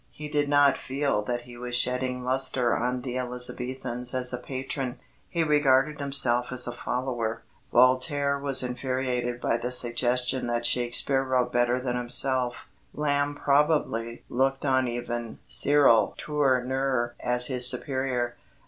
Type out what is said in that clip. He did not feel that he was shedding lustre on the Elizabethans as a patron: he regarded himself as a follower. Voltaire was infuriated by the suggestion that Shakespeare wrote better than himself; Lamb probably looked on even Cyril Tourneur as his superior.